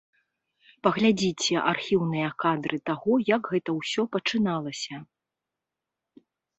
Паглядзіце архіўныя кадры таго, як гэта ўсё пачыналася.